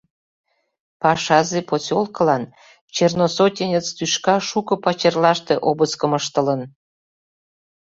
Пашазе посёлкылан черносотенец тӱшка шуко пачерлаште обыскым ыштылын.